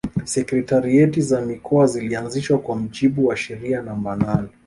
Sekretarieti za Mikoa zilianzishwa kwa mujibu wa sheria namba nane